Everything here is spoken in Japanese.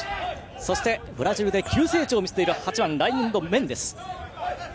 そしてブラジルで急成長を見せるライムンド・メンデス。